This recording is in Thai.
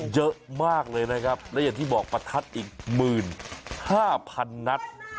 เยอะมากเลยนะครับและอย่างที่บอกประทัดอีกหมื่นห้าพันนัด